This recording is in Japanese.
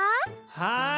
はい。